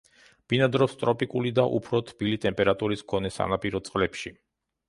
ბინადრობს ტროპიკული და უფრო თბილი ტემპერატურის მქონე სანაპირო წყლებში.